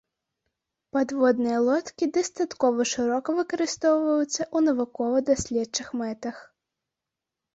Падводныя лодкі дастаткова шырока выкарыстоўваюцца ў навукова-даследчых мэтах.